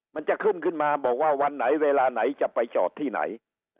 มันจะขึ้นขึ้นมาบอกว่าวันไหนเวลาไหนจะไปจอดที่ไหน